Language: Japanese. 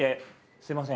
すみません